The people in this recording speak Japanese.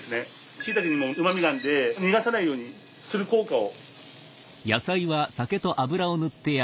しいたけにもうまみがあるので逃がさないようにする効果を。